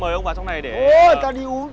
mời ông vào trong này đây có nước trong này mời ông